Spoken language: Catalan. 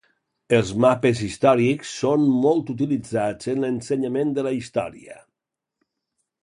Els mapes històrics són molt utilitzats en l'ensenyament de la història.